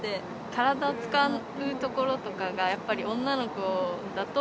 体使うところとかが、やっぱり女の子だと。